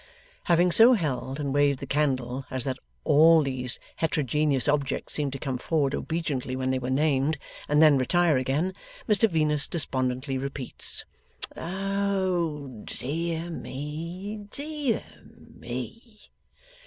Having so held and waved the candle as that all these heterogeneous objects seemed to come forward obediently when they were named, and then retire again, Mr Venus despondently repeats, 'Oh dear me, dear me!